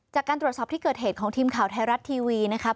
จากการตรวจสอบที่เกิดเหตุของทีมข่าวไทยรัฐทีวีนะครับ